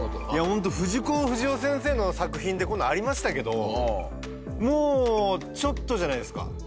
本当、藤子不二雄先生の作品でこんなんありましたけどもうちょっとじゃないですか。